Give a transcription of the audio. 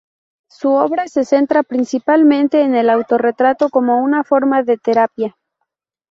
Su obra se centra principalmente en el autorretrato como una forma de terapia.